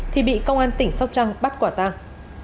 thì bị công an tỉnh sóc trăng bắt quả tang